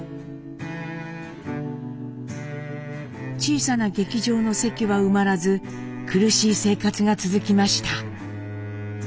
小さな劇場の席は埋まらず苦しい生活が続きました。